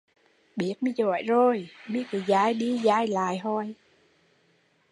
Biết mi giỏi rồi, mi cứ dai đi dai lại hoài